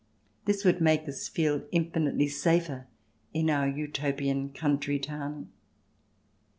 This would make us feel infinitely safer in our Utopian country town.